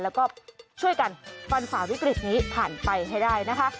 แล้วก็ช่วยกันฟันฝ่าวิกฤตนี้ผ่านไปให้ได้นะคะ